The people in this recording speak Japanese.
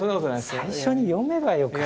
最初に読めばよかった。